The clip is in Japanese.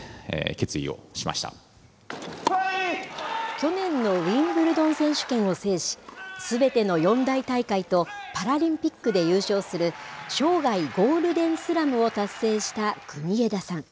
去年のウィンブルドン選手権を制し、すべての四大大会とパラリンピックで優勝する、生涯ゴールデンスラムを達成した国枝さん。